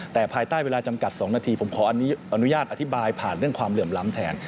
แต่ภายใต้เวลาจำกัด๒นาทีผมขออนุญาตอธิบายผ่านเรื่องความเหลื่อมล้ำแทน